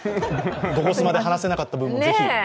「ゴゴスマ」で話せなかった分もぜひ。